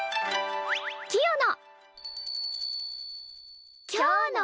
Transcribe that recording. キヨの。